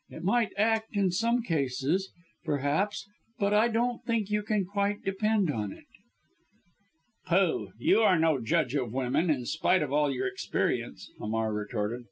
"It might act in some cases, perhaps, but I don't think you can quite depend on it." "Pooh! You are no judge of women, in spite of all your experience," Hamar retorted.